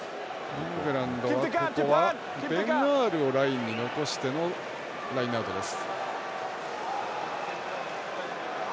ここはベン・アールをラインに残してのラインアウトです。